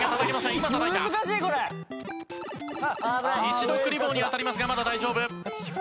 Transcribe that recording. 一度クリボーに当たりますがまだ大丈夫。